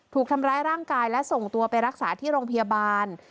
ถูกทำร้ายร่างกายและส่งตัวไปรักษาที่โรงพยาบาล